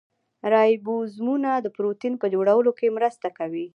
رایبوزومونه د پروټین په جوړولو کې مرسته کوي